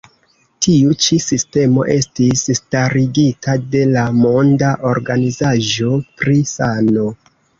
Tiu ĉi sistemo estis starigita de la Monda Organizaĵo pri Sano.